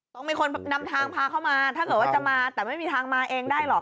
ต้องมีคนนำทางพาเข้ามาถ้าเกิดว่าจะมาแต่ไม่มีทางมาเองได้หรอก